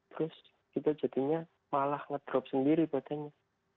terus kita jadinya malah ngedrop sendiri badannya